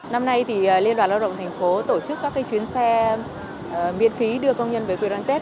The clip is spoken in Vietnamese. năm nay liên đoàn lao động thành phố tổ chức các chuyến xe miễn phí đưa công nhân về quê đón tết